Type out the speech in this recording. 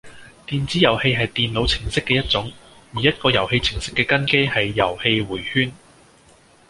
電子遊戲係電腦程式嘅一種，而一個遊戲程式嘅根基係遊戲迴圈